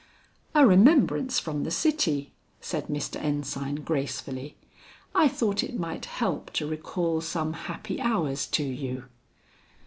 "A remembrance from the city!" said Mr. Ensign gracefully. "I thought it might help to recall some happy hours to you."